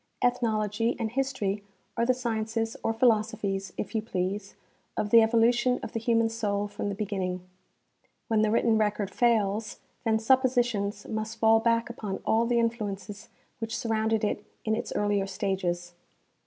Ethnology and history are the sciences or philosophies, if you please, of the evolution of the human soul from the beginning. When the written record fails, then suppositions must fall back ■ (125) 126 F. W. Parker — Relation of Geography to History. upon all the influences which surrounded it in its earlier stages.